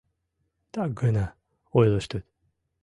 — Так гына ойлыштыт.